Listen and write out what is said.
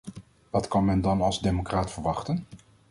Wat kan men dan als democraat verwachten?